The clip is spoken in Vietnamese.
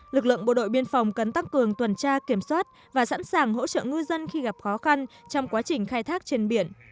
lực lượng bộ đội biên phòng cần tăng cường tuần tra kiểm soát và sẵn sàng hỗ trợ ngư dân khi gặp khó khăn trong quá trình khai thác trên biển